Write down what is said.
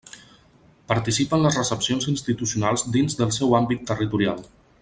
Participa en les recepcions institucionals dins el seu àmbit territorial.